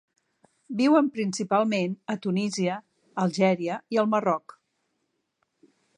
Viuen principalment a Tunísia, Algèria i el Marroc.